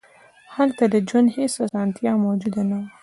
هلته د ژوند هېڅ اسانتیا موجود نه وه.